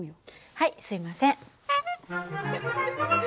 はいすみません。